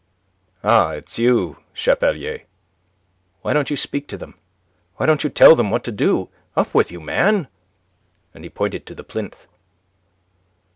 "Ah, it is you, Chapelier! Why don't you speak to them? Why don't you tell them what to do? Up with you, man!" And he pointed to the plinth.